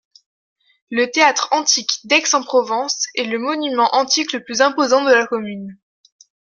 Le théâtre antique d'Aix-en-Provence est le monument antique le plus imposant de la commune.